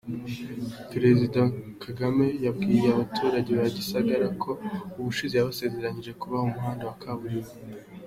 Perezida Kagame yabwiye abatuye Gisagara ko ubushize yabasezeranyije kubaha umuhanda wa kaburimbo.